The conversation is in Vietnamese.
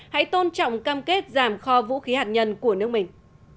hãy tôn trọng cam kết giảm kho vũ khí hạt nhân của nước mình